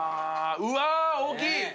うわ大きい！